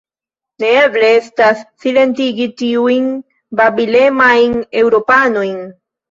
Neeble estas, silentigi tiujn babilemajn Eŭropanojn!